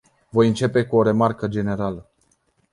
Voi începe cu o remarcă generală.